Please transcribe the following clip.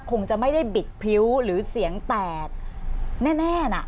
คงจะไม่ได้บิดพริ้วหรือเสียงแตกแน่น่ะ